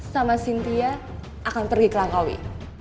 sama cynthia akan pergi ke langkawi